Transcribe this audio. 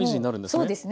そうですね。